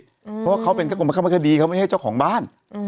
เพราะว่าเขาเป็นเจ้ากรรมคดีเขาไม่ใช่เจ้าของบ้าน